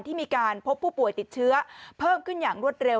ที่มีการพบผู้ป่วยติดเชื้อเพิ่มขึ้นอย่างรวดเร็ว